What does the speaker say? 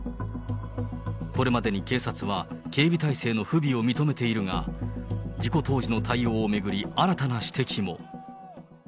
これまでに警察は、警備態勢の不備を認めているが、事故当時の対応を巡り、新たな指摘も。